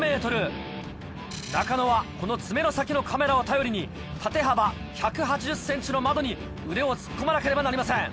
中野はこの爪の先のカメラを頼りに縦幅１８０ｃｍの窓に腕を突っ込まなければなりません。